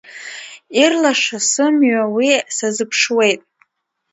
Ирлаша сымҩа, уи сазыԥшуеит.